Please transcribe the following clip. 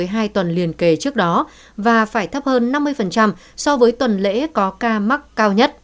bộ y tế đã giảm liên tục so với hai tuần liền kề trước đó và phải thấp hơn năm mươi so với tuần lễ có ca mắc cao nhất